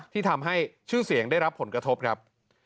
ที่ทำให้ชื่อเสียงได้รับผลกระทบครับ